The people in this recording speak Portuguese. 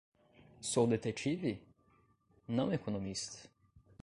Sou detetive? não economista.